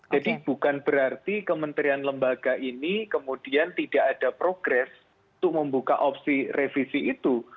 jadi bukan berarti kementerian lembaga ini kemudian tidak ada progres untuk membuka opsi revisi itu